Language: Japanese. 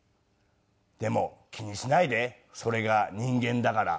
でも気にしないでそれが人間だから。